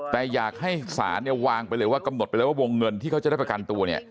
แต่อยากให้ศาลเนี่ยวางไปเลยว่ากำหนดไปแล้วว่าวงเงินที่เขาจะได้ประกันตัวเนี่ย